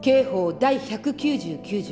第１９９条